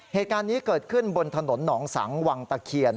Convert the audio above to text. เหตุการณ์นี้เกิดขึ้นบนถนนหนองสังวังตะเคียน